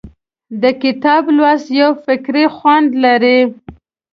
د کتاب لوستل یو فکري خوند لري.